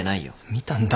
見たんだ！